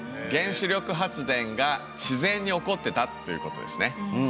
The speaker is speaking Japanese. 原子力発電が自然に起こってたということですね。